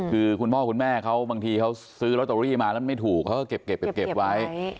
คือคุณพ่อคุณแม่เขาบางทีเขาซื้อลอตเตอรี่มาแล้วไม่ถูกเขาก็เก็บไว้